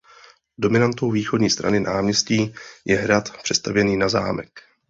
Dominantou východní strany náměstí je hrad přestavěný na zámek.